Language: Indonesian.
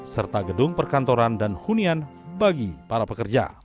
serta gedung perkantoran dan hunian bagi para pekerja